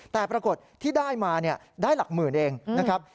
แต่ปรากฏที่ได้มาได้หลักหมื่นเองนะครับ